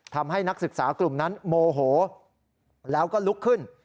นักศึกษากลุ่มนั้นโมโหแล้วก็ลุกขึ้น